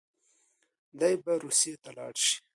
دی به روسيې ته لاړ شي.